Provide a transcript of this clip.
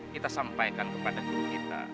kita sampaikan kepada guru kita